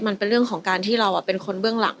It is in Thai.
มันเป็นเรื่องของการที่เราเป็นคนเบื้องหลัง